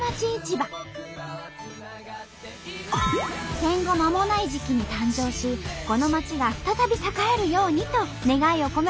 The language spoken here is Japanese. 戦後まもない時期に誕生しこの町が再び栄えるようにと願いを込めて名付けられたんだとか。